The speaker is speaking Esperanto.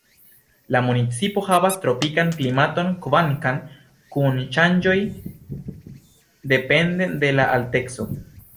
La municipo havas tropikan klimaton kvankam kun ŝanĝoj depende de la alteco.